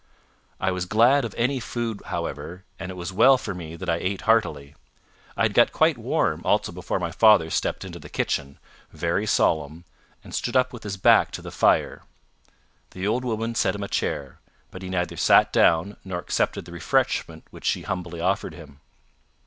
I was glad of any food however, and it was well for me that I ate heartily. I had got quite warm also before my father stepped into the kitchen, very solemn, and stood up with his back to the fire. The old woman set him a chair, but he neither sat down nor accepted the refreshment which she humbly offered him.